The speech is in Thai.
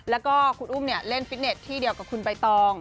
แล้วก็คุณอุ้มเล่นฟิตเน็ตที่เดียวกับคุณใบตอง